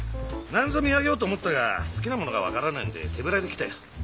何ぞ土産をと思ったが好きなものが分からないんで手ぶらで来たよ。